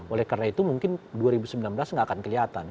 oleh karena itu mungkin dua ribu sembilan belas nggak akan kelihatan